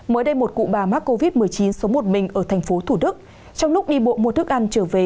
mới đây một cụ bà mắc covid một mươi chín số một mình ở thành phố thủ đức trong lúc đi bộ mua thức ăn trở về